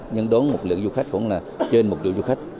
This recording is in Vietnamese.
nhưng đóng một lượng du khách khoảng là trên một triệu du khách